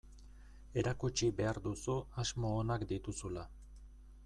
Erakutsi behar duzu asmo onak dituzula.